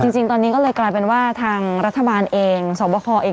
จริงตอนนี้ก็เลยกลายเป็นว่าทางรัฐบาลเองสวบคเอง